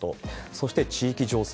そして、地域情勢。